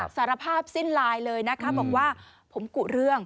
สารภาพสิ้นลายเลยนะคะบอกว่าผมกุเรื่อง